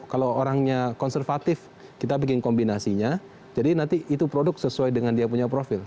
kalau orangnya konservatif kita bikin kombinasinya jadi nanti itu produk sesuai dengan dia punya profil